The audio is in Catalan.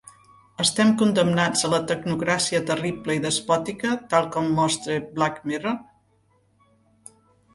Estem condemnats a la tecnocràcia terrible i despòtica, tal com mostra 'Black Mirror'?